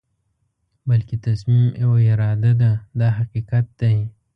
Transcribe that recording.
بلکې تصمیم او اراده ده دا حقیقت دی.